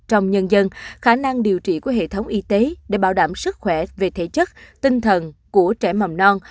trong nhân dân khả năng điều trị của hệ thống y tế để bảo đảm sức khỏe về thể chất tinh thần của trẻ mầm non